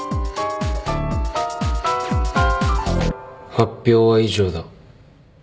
発表は以上だ。